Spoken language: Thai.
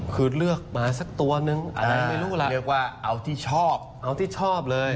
คือเลือกมาสักตัวนึงอันนั้นไม่รู้ล่ะเรียกว่าเอาที่ชอบเอาที่ชอบเลย